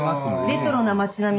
レトロな町並み。